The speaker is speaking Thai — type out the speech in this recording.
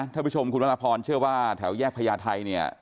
ท่านผู้ชมคุณวรพรเชื่อว่าแถวแยกพญาไทยเนี่ย